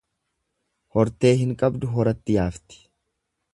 Hortee hin qabdu horatti yaafti.